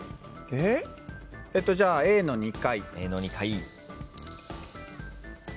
えっとじゃあＡの２階。